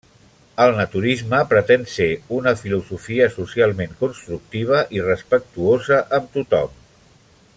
El naturisme pretén ser una filosofia socialment constructiva i respectuosa amb tothom.